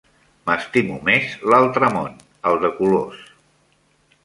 M'estimo més l'altre món, el de colors.